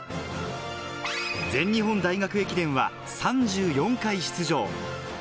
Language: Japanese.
全日本大学駅伝は３４回出場。